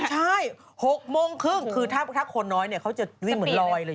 ใช่๖โมงครึ่งคือถ้าคนน้อยเนี่ยเขาจะวิ่งเหมือนลอยเลย